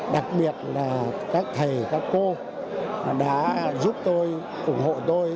đặc biệt là các thầy các cô đã giúp tôi ủng hộ tôi